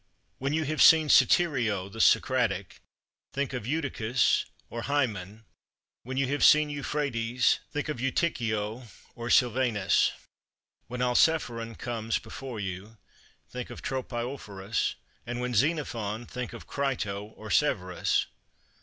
31. When you have seen Satyrio the Socratic, think of Eutyches or Hymen; when you have seen Euphrates, think of Eutychio or Silvanus. When Alciphron comes before you, think of Tropaeophorus; and when Xenophon think of Crito or Severus.